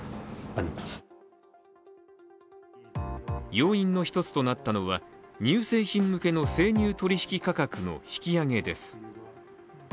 要因の一つとなったのは乳製品向けの生乳取引価格の引き上げです。